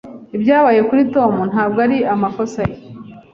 Ibyabaye kuri Tom ntabwo ari amakosa ye.